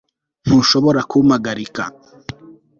ntushobora kumpagarika